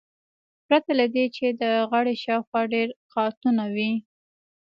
پرته له دې چې د غاړې شاوخوا ډیر قاتونه وي